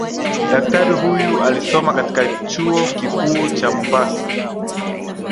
Daktari huyu alisoma katika chuo kikuu cha Mombasa